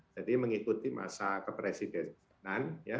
jadi mengikuti masa kepresidenan